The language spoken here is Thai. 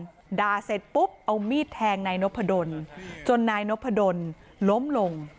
หัวหน้าเสร็จปุ๊บเอามีดแทงนายนพระดนจนนายนพระดนล้มลง